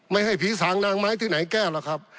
ไม่ให้ผีสางนางไม้ที่ไหนแก้หรอกครับ